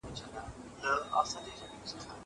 زه پرون لوبه کوم!